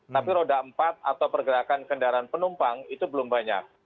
tapi roda empat atau pergerakan kendaraan penumpang itu belum banyak